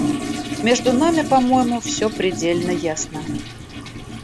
Между нами, по-моему, все предельно ясно.